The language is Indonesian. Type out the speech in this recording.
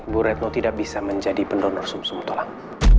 bu retno tidak bisa menjadi pendonor sum sum tulang